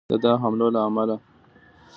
د دغه حملو له امله